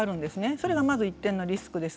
それが一定のリスクです。